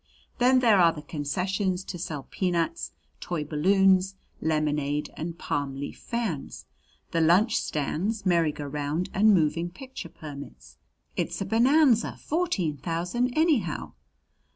Then there are the concessions to sell peanuts, toy balloons, lemonade and palm leaf fans, the lunch stands, merry go round and moving picture permits. It's a bonanza! Fourteen thousand anyhow."